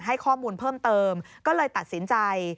ให้ข้อมูลเพิ่มเติมก็เลยตัดสินใจ